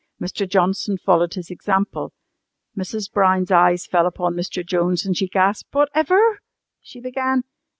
Mr. Johnson followed his example. Mrs. Brown's eyes fell upon Mr. Jones and she gasped. "Whatever " she began.